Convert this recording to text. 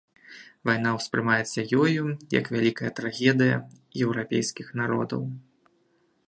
Вайна ўспрымаецца ёю як вялікая трагедыя еўрапейскіх народаў.